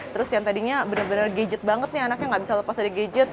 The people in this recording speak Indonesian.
terus yang tadinya bener bener gadget banget nih anaknya gak bisa lepas dari gadget